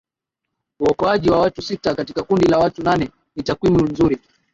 uokoaji wa watu sita katika kundi la watu nane ni takwimu nzuri